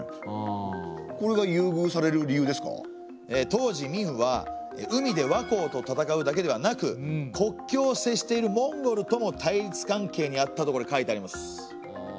当時明は海で倭寇と戦うだけではなく国境を接しているモンゴルとも対立関係にあったとこれ書いてあります。